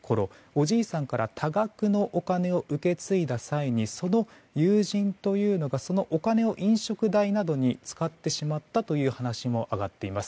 おじいさんから多額のお金を受け継いだ際にその友人というのがそのお金を飲食代などに使ってしまったという話も挙がっています。